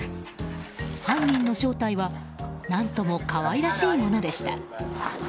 犯人の正体は何とも可愛らしいものでした。